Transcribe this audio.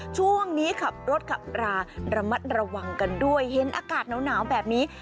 ช่วงนี้ขับรถขับราระมัดระวังกันด้วยเห็นอากาศหนาวแบบนี้